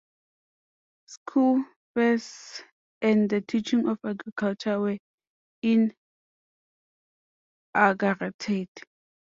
School fairs and the teaching of agriculture were inaugurated.